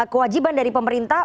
kewajiban dari pemerintah